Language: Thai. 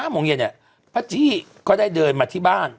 โมงเย็นเนี่ยป้าจี้ก็ได้เดินมาที่บ้าน